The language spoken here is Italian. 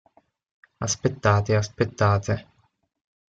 Aspettate, aspettate.